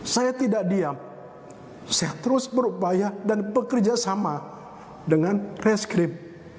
saya tidak diam saya terus berupaya dan bekerja sama dengan reskrip